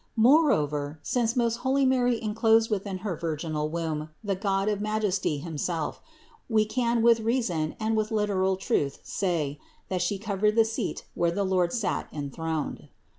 Moreover since most holy Mary enclosed within her virginal womb the God of majesty himself, we can with reason and with literal truth say, that She covered the seat where the Lord sat enthroned.